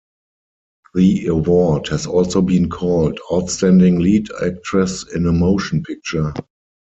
The award has also been called Outstanding Lead Actress in a Motion Picture.